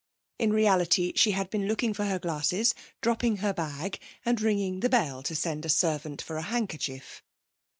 In reality she had been looking for her glasses, dropping her bag and ringing the bell to send a servant for a handkerchief.